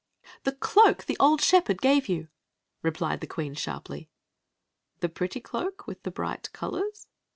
"Tkcd^ tke <^ i^epherd gave you," replied the queen, sharply. "The pretty cloak with the bright colors?"